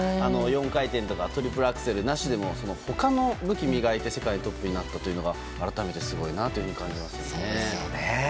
４回転とかトリプルアクセルなしでも他の武器を磨いて世界のトップになったというのは改めてすごいなと感じますね。